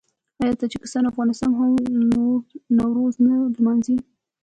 آیا تاجکستان او افغانستان هم نوروز نه لمانځي؟